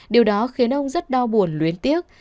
điều đó khiến ông rất đau buồn luyến tiếc